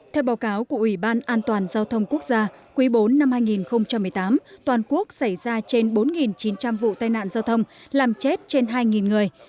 theo báo cáo của ủy ban an toàn giao thông quốc gia quý bốn năm hai nghìn một mươi tám toàn quốc xảy ra trên bốn chín trăm linh vụ tai nạn giao thông làm chết trên hai người